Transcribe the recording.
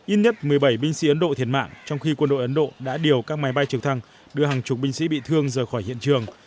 ít nhất một mươi bảy binh sĩ ấn độ thiệt mạng trong khi quân đội ấn độ đã điều các máy bay trực thăng đưa hàng chục binh sĩ bị thương rời khỏi hiện trường